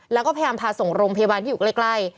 แล้วก็พยายามพาส่งโรงพยาบาลที่อยู่ใกล้